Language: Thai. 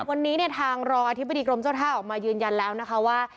วันนี้เนี่ยทางรองอธิบดีกรมเจ้าท่าออกมายืนยันแล้วนะคะว่า